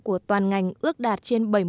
của toàn ngành ước đạt trên